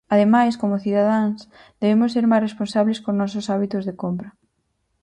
Ademais, como cidadáns debemos ser máis responsables cos nosos hábitos de compra.